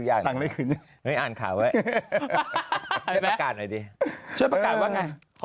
อ่านค่ะอ่าขอให้พระกาศหน่อยดิช่วยประกาศบ้างนะคะ